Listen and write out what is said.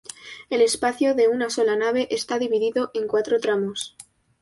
El espacio, de una sola nave, está dividido en cuatro tramos.